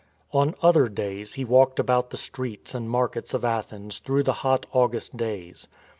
On other days he walked about the streets and mar kets of Athens through the hot August days.